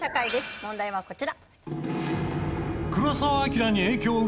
問題はこちら。